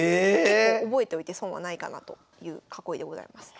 結構覚えといて損はないかなという囲いでございます。